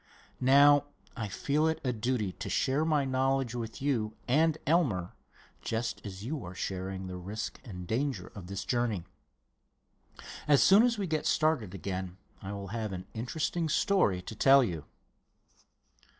Now I feel it a duty to share my knowledge with you and Elmer, just as you are sharing the risk and danger of this journey. As soon as we get started again, I will have an interesting story to tell you."